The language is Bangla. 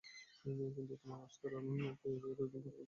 কিন্তু তোমার আস্কারা পেয়ে পেয়ে কয়দিন পর দেখবা আর বাপ-মার কথা শুনবেনা।